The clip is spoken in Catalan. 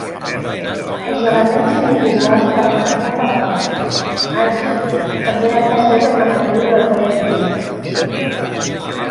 Els elements individuals de la matriu per blocs, Aij, també han de ser una matriu de Toeplitz.